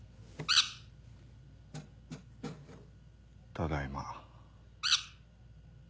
ただいま。